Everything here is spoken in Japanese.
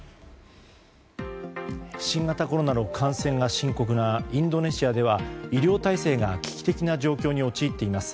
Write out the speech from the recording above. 新型コロナの感染が深刻なインドネシアでは医療体制が危機的な状況に陥っています。